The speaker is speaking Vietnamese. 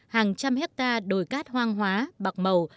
hàng trăm hectare đồi cát hoang hóa bạc màu